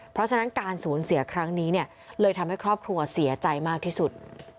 เพราะฉะนั้นการสูญเสียครั้งนี้เนี่ยเลยทำให้ครอบครัวเสียใจมากที่สุด